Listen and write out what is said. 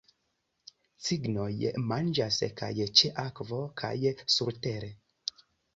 Cignoj manĝas kaj ĉe akvo kaj surtere.